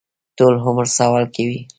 ټول عمر سوال کوي.